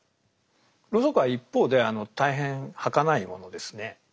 ロウソクは一方で大変はかないものですね。